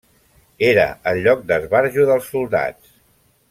Era el lloc d'esbarjo dels soldats.